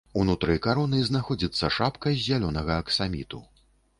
Унутры кароны знаходзіцца шапка з зялёнага аксаміту.